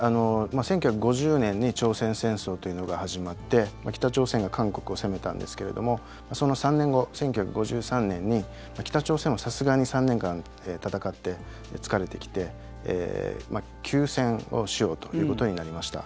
１９５０年に朝鮮戦争というのが始まって北朝鮮が韓国を攻めたんですけどその３年後、１９５３年に北朝鮮はさすがに３年間戦って疲れてきて休戦をしようということになりました。